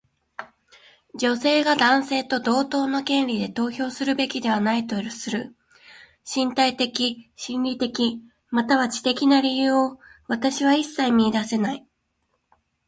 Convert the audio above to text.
女性が男性と同等の権利で投票するべきではないとする身体的、心理的、または知的な理由を私は一切見いだせない。